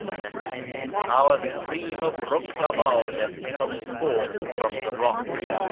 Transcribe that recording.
('Our stream of Ruknabdd comes forth from the rock.')